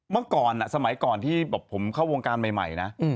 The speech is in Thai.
เมื่อก่อนสมัยก่อนที่ผมเข้าวงการใหม่นะ